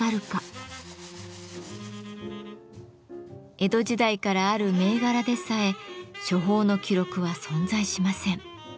江戸時代からある銘柄でさえ処方の記録は存在しません。